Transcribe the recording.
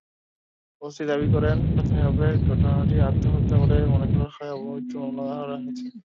OC দাবি করেন, প্রাথমিকভাবে ঘটনাটি আত্মহত্যা বলে মনে হওয়ায় অপমৃত্যুর মামলা হয়েছে।